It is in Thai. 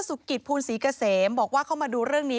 กิจภูลศรีเกษมบอกว่าเข้ามาดูเรื่องนี้